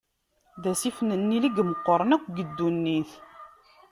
D asif n Nnil i imeqqren akk deg ddunnit.